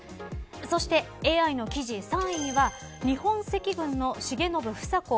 そしてＡＩの記事３位には日本赤軍の重信房子